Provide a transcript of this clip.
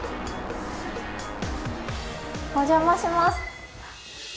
お邪魔します。